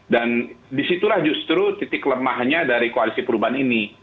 dan disitulah justru titik lemahnya dari koalisi perubahan ini